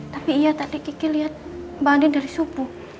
tapi iya tadi gigi lihat mbak andin dari subuh